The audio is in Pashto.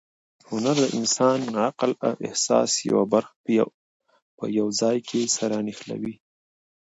هنر د انسان عقل او احساس په یو ځای کې سره نښلوي.